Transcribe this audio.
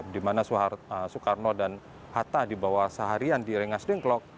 dimana soekarno dan hatta dibawa seharian di rengas dengklok